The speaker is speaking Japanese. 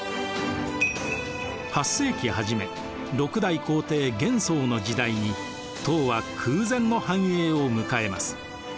８世紀初め６代皇帝玄宗の時代に唐は空前の繁栄を迎えます。